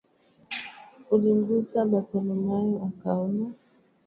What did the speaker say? ulimgusa Batholomayo akaona.